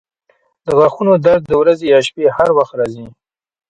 د غاښونو درد د ورځې یا شپې هر وخت راځي.